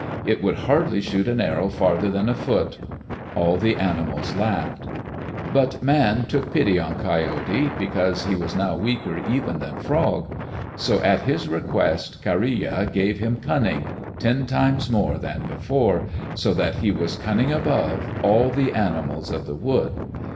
It would hardly shoot an arrow farther than a foot. All the animals laughed. But Man took pity on Coyote, because he was now weaker even than Frog. So at his request, Kareya gave him cunning, ten times more than before, so that he was cunning above all the animals of the wood.